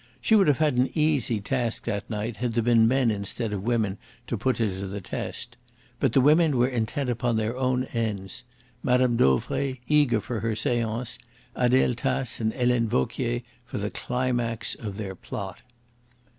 She would have had an easy task that night had there been men instead of women to put her to the test. But the women were intent upon their own ends: Mme. Dauvray eager for her seance, Adele Tace and Helene Vauquier for the climax of their plot.